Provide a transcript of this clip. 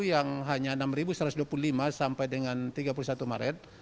yang hanya enam satu ratus dua puluh lima sampai dengan tiga puluh satu maret